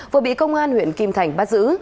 vừa bị công an huyện kim thành bắt giữ